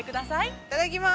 ◆いただきます。